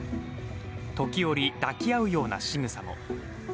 時折、抱き合うようなしぐさも。